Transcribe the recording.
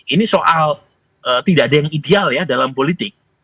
ini soal tidak ada yang ideal ya dalam politik